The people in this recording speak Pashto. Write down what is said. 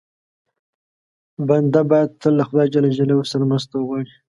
بنده باید تل له خدای ج مرسته وغواړي.